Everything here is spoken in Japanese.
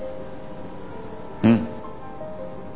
うん。